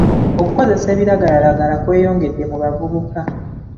Okukozesa ebiragalalagala kweyongedde mu bavubuka.